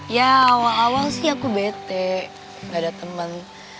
ya awal awal sih aku bete gak ada temen